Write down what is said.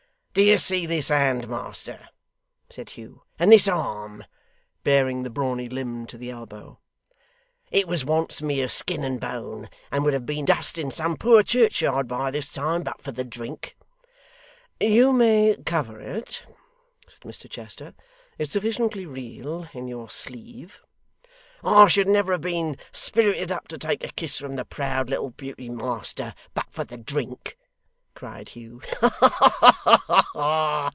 'Do you see this hand, master,' said Hugh, 'and this arm?' baring the brawny limb to the elbow. 'It was once mere skin and bone, and would have been dust in some poor churchyard by this time, but for the drink.' 'You may cover it,' said Mr Chester, 'it's sufficiently real in your sleeve.' 'I should never have been spirited up to take a kiss from the proud little beauty, master, but for the drink,' cried Hugh. 'Ha ha ha!